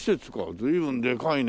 随分でかいね。